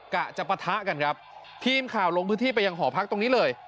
กะจะปะทะกันครับทีมข่าวลงพื้นที่ไปยังหอพักตรงนี้เลย